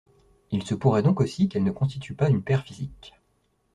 Il se pourrait donc aussi qu'elles ne constituent pas une paire physique.